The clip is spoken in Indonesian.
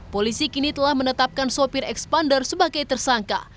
polisi kini telah menetapkan sopir expander sebagai tersangka